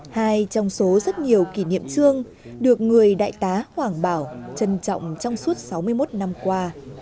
hai trong số rất nhiều kỷ niệm trương được người đại tá hoàng bảo trân trọng trong suốt sáu mươi một năm qua